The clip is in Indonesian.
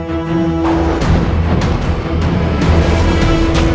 sedangkan saat ini